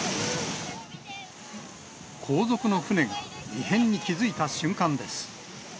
後続の船が異変に気付いた瞬間です。